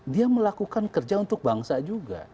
dia melakukan kerja untuk bangsa juga